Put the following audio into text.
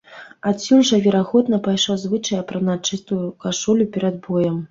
Адсюль жа, верагодна, пайшоў звычай апранаць чыстую кашулю перад боем.